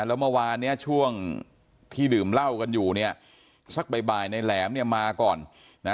แล้วเมื่อวานเนี่ยช่วงที่ดื่มเหล้ากันอยู่เนี่ยสักบ่ายในแหลมเนี่ยมาก่อนนะ